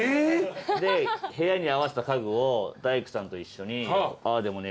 で部屋に合わせた家具を大工さんと一緒にああでもねえ